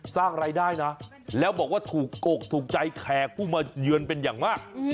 สร้างรายได้นะแล้วบอกว่าถูกกกถูกใจแขกผู้มาเยือนเป็นอย่างมาก